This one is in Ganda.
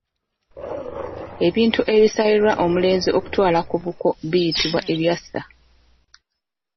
Ebintu ebisalirwa omulenzi okutwala ku buko biyitibwa ebyasa